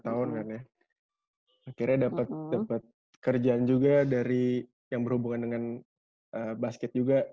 akhirnya dapat kerjaan juga dari yang berhubungan dengan basket juga